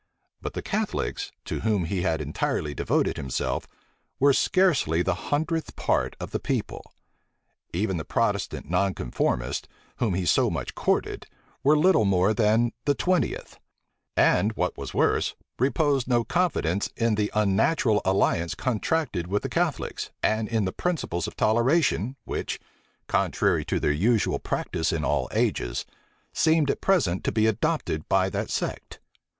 But the Catholics, to whom he had entirely devoted himself, were scarcely the hundredth part of the people. Even the Protestant nonconformists, whom he so much courted, were little more than the twentieth; and, what was worse, reposed no confidence in the unnatural alliance contracted with the Catholics, and in the principles of toleration, which, contrary to their usual practice in all ages, seemed at present to be adopted by that sect.